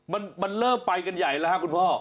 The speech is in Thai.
มันเริ่มไปกันใหญ่แล้วครับคุณพ่อ